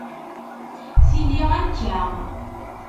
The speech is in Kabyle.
Tili akka